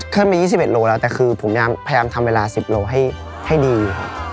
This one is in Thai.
เคลื่อนไป๒๑โลแล้วแต่คือผมยังพยายามทำเวลา๑๐โลให้ดี